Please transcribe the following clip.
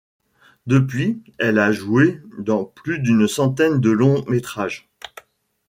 Depuis, elle a joué dans plus d'une centaine de longs métrages.